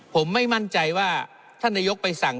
ผมไม่มั่นใจว่าท่านนายกไปสั่ง